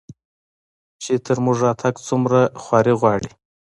چې تر موږه راتګ څومره خواري غواړي